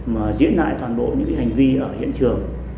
mà diễn lại toàn bộ những hành vi ở hiện trường